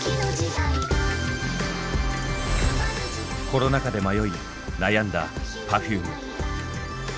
コロナ禍で迷い悩んだＰｅｒｆｕｍｅ。